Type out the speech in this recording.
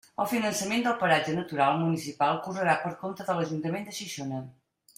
El finançament del Paratge Natural Municipal correrà per compte de l'Ajuntament de Xixona.